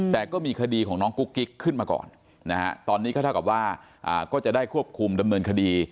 แต่ก็มีคดีของน้องกุ๊กกิ๊กขึ้นมาก่อนนะฮะตอนนี้ก็เท่ากับว่าก็จะได้ควบคุมดำเนินคดี